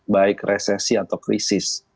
baik resesi atau krisis